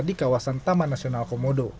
di kawasan taman nasional komodo